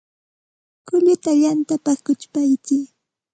Kulluta yantapa kuchpatsiy